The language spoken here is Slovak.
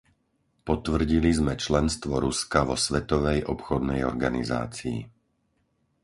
Potvrdili sme členstvo Ruska vo Svetovej obchodnej organizácii.